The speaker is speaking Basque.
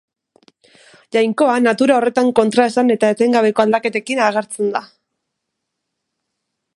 Jainkoa natura horretan kontraesan eta etengabeko aldaketekin agertzen da.